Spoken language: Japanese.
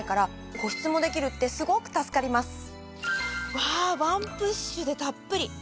うわぁワンプッシュでたっぷり。